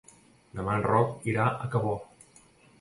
Demà en Roc irà a Cabó.